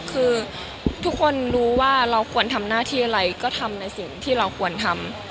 คือทุกคนรู้ว่าเราควรทำหน้าที่อะไรก็ทำในสิ่งที่เราควรทำ